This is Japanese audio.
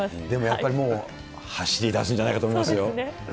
でもやっぱり、走りだすんじゃないかと思いますね。